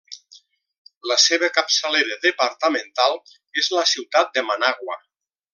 La seva capçalera departamental és la ciutat de Managua.